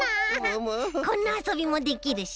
こんなあそびもできるし。